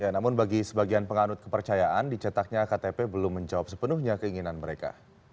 namun bagi sebagian penganut kepercayaan dicetaknya ktp belum menjawab sepenuhnya keinginan mereka